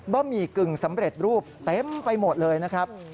หมี่กึ่งสำเร็จรูปเต็มไปหมดเลยนะครับ